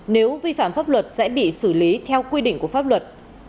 nếu vi phạm pháp luật sẽ bị xử lý theo quy định của pháp luật